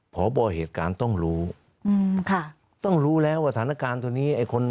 เพราะบริการณ์ต้องรู้ต้องรู้แล้วว่าสถานการณ์ตัวนี้